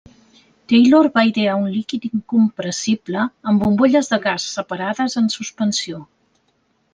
Taylor va idear un líquid incompressible amb bombolles de gas separades en suspensió.